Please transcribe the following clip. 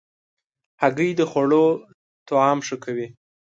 هګۍ د خوړو طعم ښه کوي.